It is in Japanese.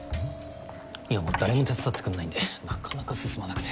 今もう誰も手伝ってくんないんでなかなか進まなくて。